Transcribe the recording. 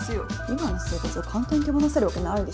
今の生活を簡単に手放せるわけないでしょ。